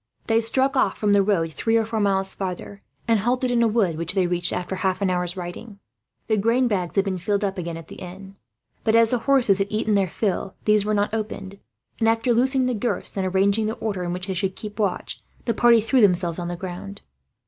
They struck off from the road, three or four miles farther; and halted in a wood which they reached, after half an hour's riding. The grain bags had been filled up again, at the inn; but as the horses had eaten their fill, these were not opened and, after loosening the girths and arranging the order in which they should keep watch, the party threw themselves on the ground.